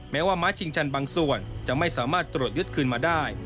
แม้ว่าม้าชิงชันบางส่วนจะไม่สามารถตรวจยึดคืนมาได้